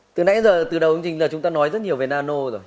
từ nãy giờ từ đầu hướng dịch là chúng ta nói rất nhiều về nano rồi